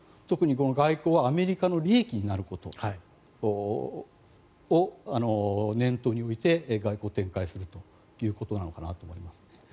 特に外交はアメリカの利益になることを念頭に置いて外交を展開するということなのかなと思います。